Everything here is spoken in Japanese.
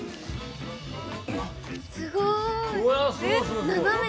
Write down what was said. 足すごい！